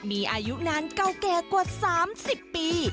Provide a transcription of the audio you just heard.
มีอายุนานเก่าแก่กว่า๓๐ปี